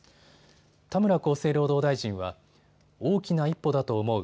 田村厚生労働大臣は大きな一歩だと思う。